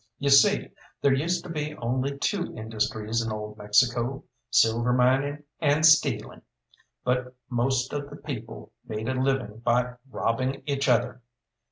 You see, there used to be only two industries in old Mexico, silver mining and stealing, but most of the people made a living by robbing each other.